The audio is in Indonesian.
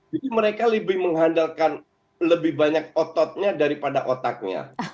jadi mereka lebih mengandalkan lebih banyak ototnya daripada otaknya